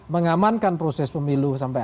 mengamankan proses pemilu sampai